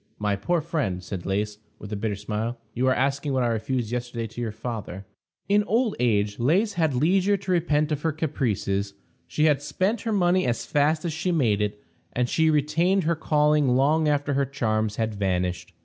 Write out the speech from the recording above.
"My poor friend," said Lais, with a bitter smile, "you are asking what I refused yesterday to your father." In old age Lais had leisure to repent of her caprices. She had spent her money as fast as she made it, and she retained her calling long after her charms had vanished.